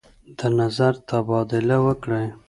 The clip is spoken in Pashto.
د نظر تبادله وکړئ.